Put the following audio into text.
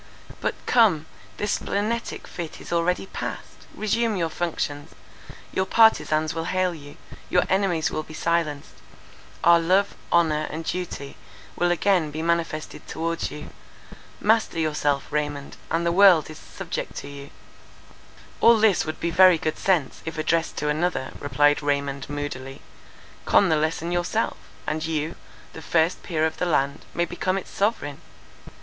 But, come, this splenetic fit is already passed; resume your functions; your partizans will hail you; your enemies be silenced; our love, honour, and duty will again be manifested towards you. Master yourself, Raymond, and the world is subject to you." "All this would be very good sense, if addressed to another," replied Raymond, moodily, "con the lesson yourself, and you, the first peer of the land, may become its sovereign.